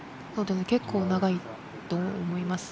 結構長いと思います。